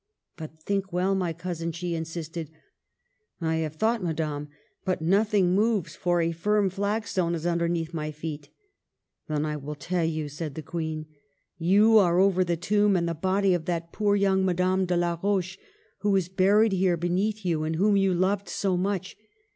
" But, think well, my cousin," she insisted. '' I have thought, Madame, but nothing moves ; for a firm flagstone is underneath my feet." " Then I will tell you," said the Queen. *' You are over the tomb and the body of that poor young Madame de la Roche, who is buried here be neath you, and whom you loved so much.